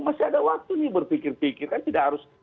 masih ada waktu nih berpikir pikir kan tidak harus